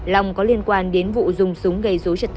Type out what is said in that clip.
long có liên quan đến vụ dùng súng gây dối trật tự